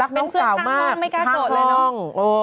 รักน้องสาวมากแค่ฝั่งห้องไม่กล้าโต๊ะเลยนะครับรักเหรอ